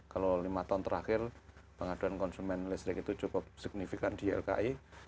kalau lima tahun terakhir pengaduan konsumen listrik itu cukup signifikan di ilki